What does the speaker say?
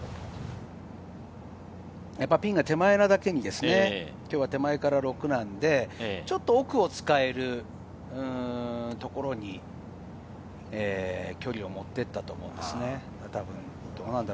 ピンが手前なだけに、きょうは手前から奥なので、ちょっと奥を使えるところに距離を持っていったと思うんですよね、たぶん。